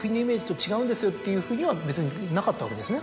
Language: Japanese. っていうふうには別になかったわけですね？